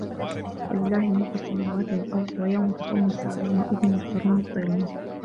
وَلِلَّهِ مُلكُ السَّماواتِ وَالأَرضِ وَيَومَ تَقومُ السّاعَةُ يَومَئِذٍ يَخسَرُ المُبطِلونَ